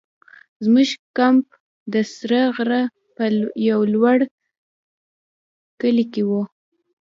زموږ کمپ د سره غره په یو لوړ کلي کې وو.